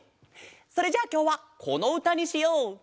それじゃあきょうはこのうたにしよう！